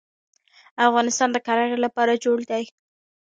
افغانستان د کرنې لپاره جوړ دی.